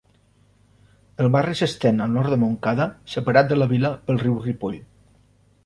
El barri s'estén al nord de Montcada, separat de la vila pel riu Ripoll.